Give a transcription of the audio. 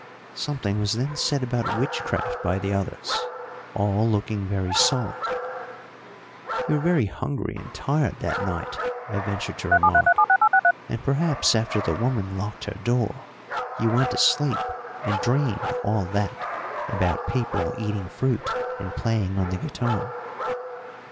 Something was then said about witchcraft by the others, all looking very solemn. "You were very hungry and tired that night," I ventured to remark, "and perhaps after the woman locked her door you went to sleep and dreamed all that about people eating fruit and playing on the guitar."